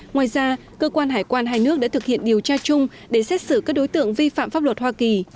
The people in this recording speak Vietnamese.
ngoài ra cơ quan hải quan hai nước đã thực hiện điều tra chung để xét xử các đối tượng vi phạm pháp luật hoa kỳ